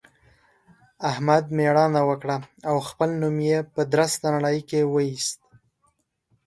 احمد مېړانه وکړه او خپل نوم يې په درسته نړۍ کې واېست.